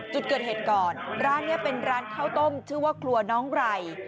จุดเกิดเหตุก่อนร้านนี้เป็นร้านข้าวต้มชื่อว่าครัวน้องไร